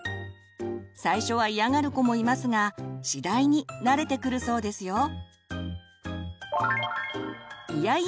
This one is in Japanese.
最初は嫌がる子もいますが次第に慣れてくるそうですよ。